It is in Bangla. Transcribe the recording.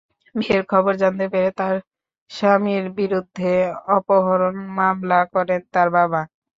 বিয়ের খবর জানতে পেরে তাঁর স্বামীর বিরুদ্ধে অপহরণ মামলা করেন তাঁর বাবা।